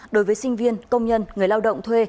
đối với sinh viên công nhân người lao động thuê